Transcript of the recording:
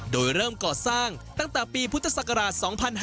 โดยเริ่มก่อสร้างตั้งแต่ปีพุทธศักราช๒๕๕๙